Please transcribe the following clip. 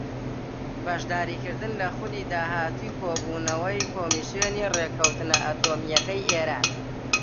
بەشداریکردن لە خولی داهاتووی کۆبوونەوەی کۆمسیۆنی ڕێککەوتنە ئەتۆمییەکەی ئێران